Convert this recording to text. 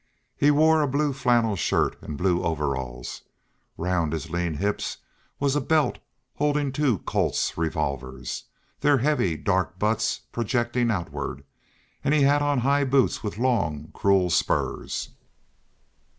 He wore a blue flannel shirt, and blue overalls; round his lean hips was a belt holding two Colt's revolvers, their heavy, dark butts projecting outward, and he had on high boots with long, cruel spurs.